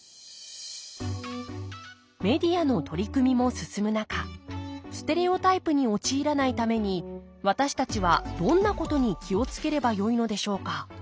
メディアの取り組みも進む中ステレオタイプに陥らないために私たちはどんなことに気を付ければよいのでしょうか？